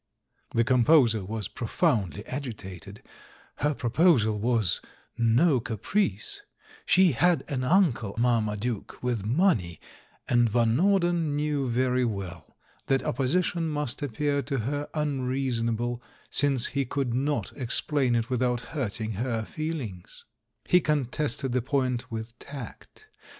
The composer was pro foundly agitated; her proposal was no caprice — she had an uncle Marmaduke with money — and Van Norden knew very well that opposition must appear to her unreasonable, since he could not explain it without hurting her feelings. He contested the point with tact.